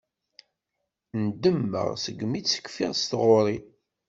Ndemmeɣ segmi tt-kfiɣ s tɣuri.